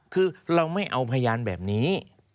คือเราไม่เอาพยานแบบนี้